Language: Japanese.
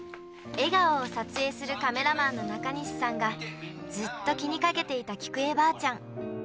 笑顔を撮影するカメラマンの中西さんが、ずっと気にかけていた菊恵ばあちゃん。